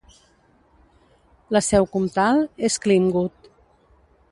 La seu comtal és Clintwood.